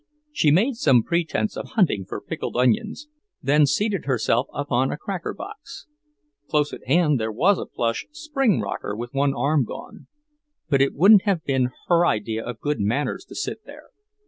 She made some pretence of hunting for pickled onions, then seated herself upon a cracker box; close at hand there was a plush "spring rocker" with one arm gone, but it wouldn't have been her idea of good manners to sit there.